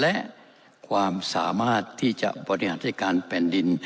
และความสามารถที่จะบริหารจัดการแผ่นดิน